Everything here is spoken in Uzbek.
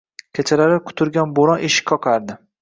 Kechalari qutirgan bo`ron eshik qoqardi